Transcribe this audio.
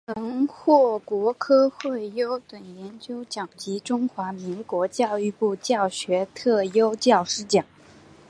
曾获国科会优等研究奖及中华民国教育部教学特优教师奖。